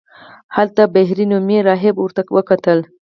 هلته بهیري نومې راهب ورته وکتل.